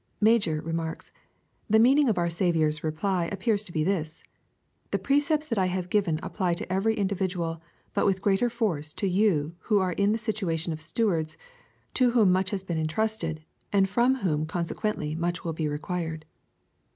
Major remarks, " The meaning of our Saviour's reply ap pears to be this : The precepts that I have given apply to every individual, but with greater force to you who are in the situation of stewards, to whom much has been entrusted, and from whom consequently much will be required."